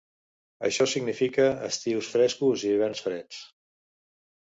Això significa estius frescos i hiverns freds.